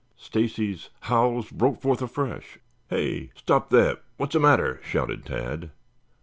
Stacy's howls broke forth afresh. "Hey! Stop that. What's the matter?" shouted Tad.